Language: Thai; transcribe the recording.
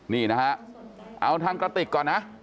นี่นะฮะเอาทางกระติกก่อนนะ